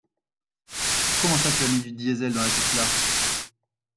Comment ça tu as mis du diesel dans la Tesla?!